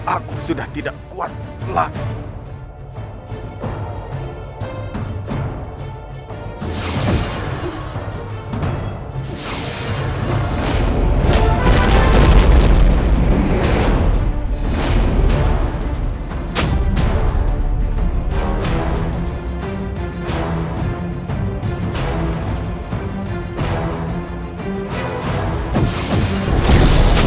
aku sudah tidak kuat lagi